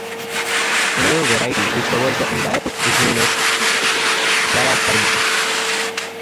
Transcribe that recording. Another variety, which covers the entire foot, is known as Padapadma.